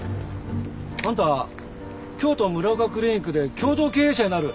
あんた京都ＭＵＲＡＯＫＡクリニックで共同経営者になる